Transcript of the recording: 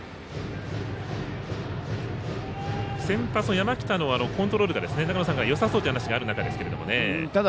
先発山北のコントロールが長野さんからよさそうという話がありましたが。